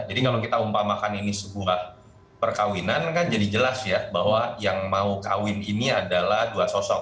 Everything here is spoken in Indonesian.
jadi kalau kita umpamakan ini sebuah perkawinan kan jadi jelas ya bahwa yang mau kawin ini adalah dua sosok